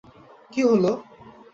কী হলো?